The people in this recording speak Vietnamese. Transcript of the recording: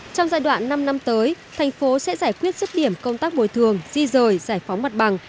trong giai đoạn năm năm tới thành phố sẽ giải quyết sức điểm công tác bồi thường di rời giải phóng mặt bằng